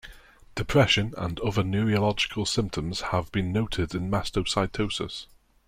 Depression and other neurological symptoms have been noted in mastocytosis.